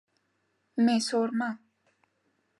Me Sor Ma.